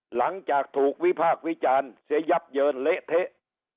หลังจากถูกวิพากษ์วิจารณ์เสียยับเยินเละเทะ